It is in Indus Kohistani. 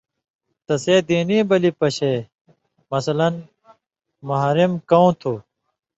تسے دینی بلی پشے مثلاً محرم کؤں تُھو